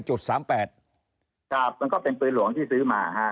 มันก็เป็นปืนหลวงที่ซื้อมา